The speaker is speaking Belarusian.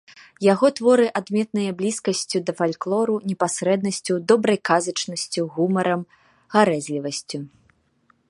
Яго творы адметныя блізкасцю да фальклору, непасрэднасцю, добрай казачнасцю, гумарам, гарэзлівасцю.